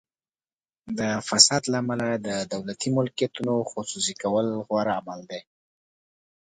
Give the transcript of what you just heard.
د فساد له امله د دولتي ملکیتونو خصوصي کول غوره دي.